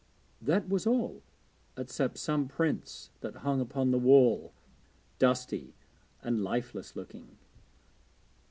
That was all, except some prints that hung upon the wall, dusty and lifeless looking.